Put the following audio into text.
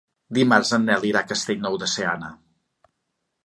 Dimarts en Nel irà a Castellnou de Seana.